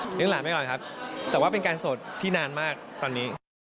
หลานไปก่อนครับแต่ว่าเป็นการโสดที่นานมากตอนนี้